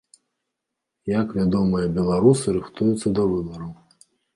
Як вядомыя беларусы рыхтуюцца да выбараў?